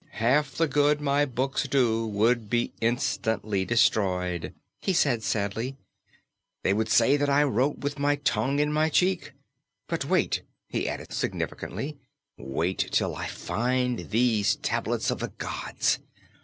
"Half the good my books do would be instantly destroyed," he said sadly; "they would say that I wrote with my tongue in my cheek. But wait," he added significantly; "wait till I find these Tablets of the Gods!